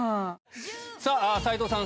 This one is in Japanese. さあ斎藤さん